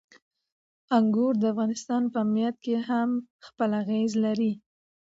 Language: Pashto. انګور د افغانستان په امنیت هم خپل اغېز لري.